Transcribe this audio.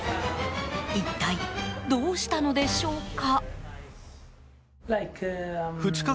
一体どうしたのでしょうか？